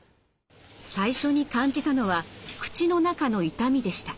最初に感じたのは口の中の痛みでした。